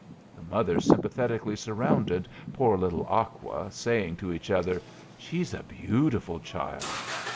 The mothers sympathetically surrounded poor little Aqua, saying to each other: "She's a beautiful child!"